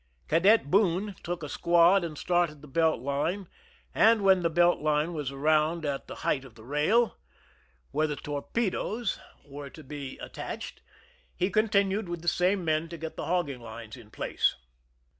Cadet Boone took a squad and started the belt line, and when the belt line was around at the height of the rail, where the torpedoes were to be 50 THE SCHEI^m AND THE PREPARATIONS attached, he continued with the same men to get the hogging lines in place.